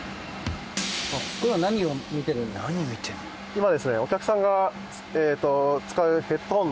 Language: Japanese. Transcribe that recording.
今ですね。